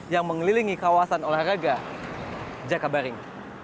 yang mengelilingi kawasan olahraga jakabaring